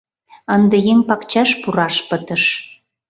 Ынде еҥ пакчаш пураш пытыш.